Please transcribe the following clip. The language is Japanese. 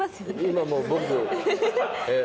今もう僕。